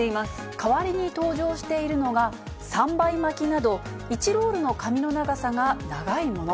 代わりに登場しているのが、３倍巻きなど、１ロールの紙の長さが長いもの。